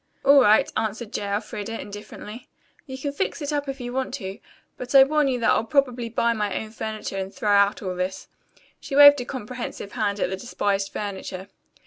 "All right," answered J. Elfreda indifferently. "You can fix it up if you want to, but I warn you that I'll probably buy my own furniture and throw out all this." She waved a comprehensive hand at the despised furniture.